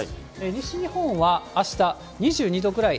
西日本はあした、２２度くらい。